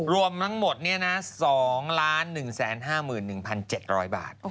รวมทั้งหมด๒๑๕๑๗๐๐บาท